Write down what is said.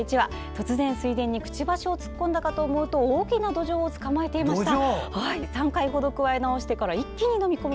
突然、水田にくちばしを突っ込んだかと思うと大きなどじょうを捕まえていました。